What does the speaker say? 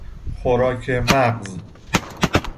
خوراک مغز